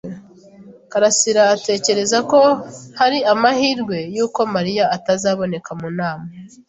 karasira atekereza ko hari amahirwe yuko Mariya atazaba mu nama.